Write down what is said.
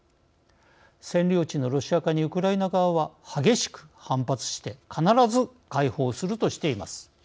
占領地のロシア化にウクライナ側は激しく反発して必ず解放するとしています。